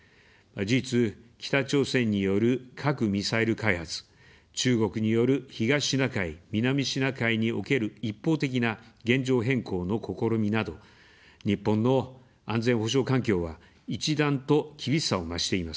事実、北朝鮮による核・ミサイル開発、中国による東シナ海・南シナ海における一方的な現状変更の試みなど、日本の安全保障環境は、一段と厳しさを増しています。